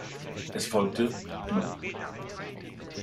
Es folgte "No.